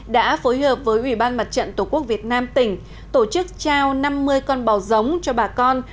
đã phối hợp với ủy ban mặt trận tổ quốc việt nam tỉnh tổ chức trao năm mươi con bò giống cho bà con